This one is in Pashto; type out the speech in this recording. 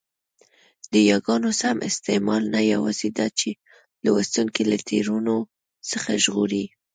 د یاګانو سم استعمال نه یوازي داچي لوستوونکی له تېروتنو څخه ژغوري؛